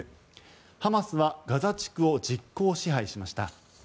ハマスはガザ地区を実効支配しました。